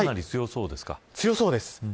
強そうです。